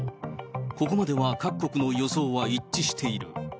ここまでは各国の予想は一致している。